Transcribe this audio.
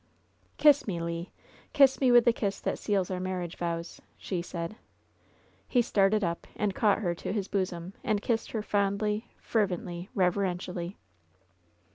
"Kiss me, Le ! Kiss me with the kiss that seals our marriage vows," she said. He started up, and caught her to his bosom, and kissed her fondly, fervently, reverentially.